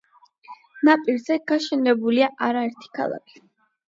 ნაპირზე გაშენებულია არაერთი ქალაქი.